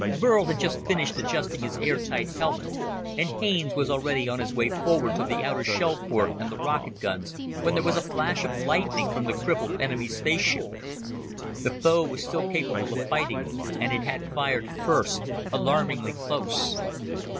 Burl had just finished adjusting his airtight helmet, and Haines was already on his way forward to the outer shell port and the rocket guns, when there was a flash of lightning from the crippled enemy spaceship. The foe was still capable of fighting and it had fired first alarmingly close.